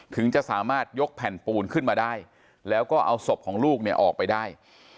ถึงจะสามารถยกแผ่นปูนขึ้นมาได้แล้วก็เอาศพของลูกเนี่ยออกไปได้